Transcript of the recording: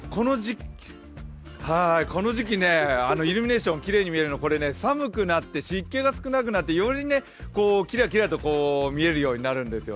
この時期、イルミネーションきれいに見えるのは寒くなって湿気が少なくなってよりキラキラと見えるようになるんですよ。